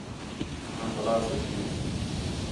آں کلاسیک ہینس